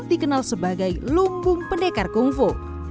dikenal sebagai lumbung pendekar kungfu